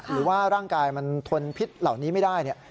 หรือว่าร่างกายมันทนพิษเหล่านี้ไม่ได้